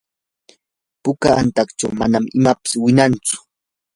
puka antachaw manan imapis winantsu.